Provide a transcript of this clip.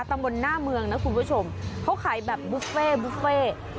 ตำบลหน้าเมืองนะคุณผู้ชมเขาขายแบบบุฟเฟ่บุฟเฟ่